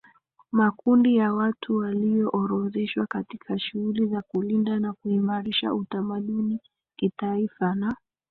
makundi na watu waliyoorodheshwa katika shughuli za kulinda na kuimaridsha utamaduni Kitaifa na